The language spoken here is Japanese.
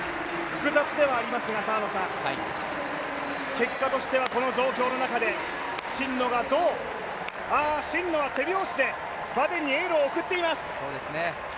複雑ではありますが、結果としてはこの状況の中で、真野が手拍子で、バデンにエールを送っています。